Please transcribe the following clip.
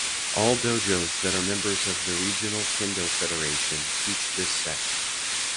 All dojos, that are members of the regional Kendo federations teach this set.